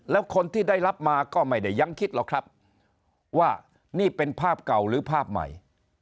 แล้วคนที่ได้รับมาก็ไม่ได้ยังคิดหรอกครับว่านี่เป็นภาพเก่าหรือภาพใหม่